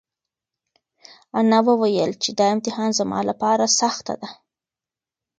انا وویل چې دا امتحان زما لپاره سخته ده.